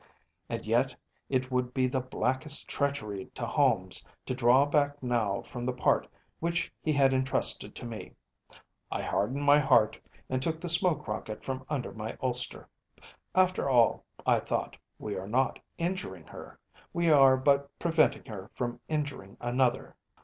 And yet it would be the blackest treachery to Holmes to draw back now from the part which he had intrusted to me. I hardened my heart, and took the smoke rocket from under my ulster. After all, I thought, we are not injuring her. We are but preventing her from injuring another.